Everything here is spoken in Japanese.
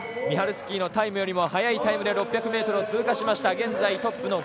ミハルスキーのタイムよりも早いタイムで６００ｍを通過しました。